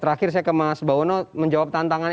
akhirnya saya ke mas baono menjawab tantangan